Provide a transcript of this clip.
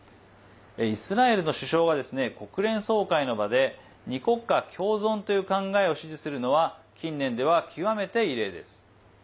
イスラエルの首相が国連総会の場で２国家共存という考えを支持するのは近年では極めて異例です。